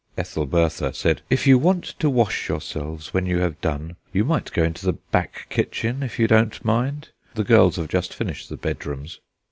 Ethelbertha said: "If you want to wash yourselves when you have done you might go into the back kitchen, if you don't mind; the girls have just finished the bedrooms."